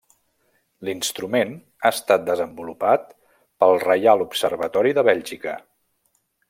L'instrument ha estat desenvolupat pel Reial Observatori de Bèlgica.